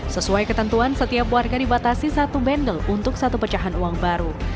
sesuai ketentuan setiap warga dibatasi satu bendel untuk satu pecahan uang baru